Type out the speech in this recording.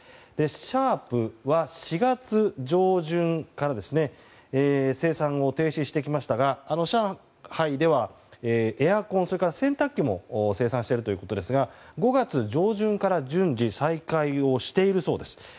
シャープは４月上旬から生産を停止してきましたが上海ではエアコン、洗濯機も生産しているということですが５月上旬から順次再開をしているそうです。